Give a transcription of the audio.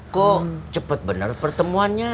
kok cepet benar pertemuannya